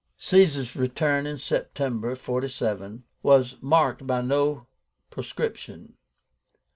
Caesar's return in September, 47, was marked by no proscription.